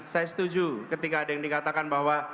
saya setuju ketika ada yang dikatakan bahwa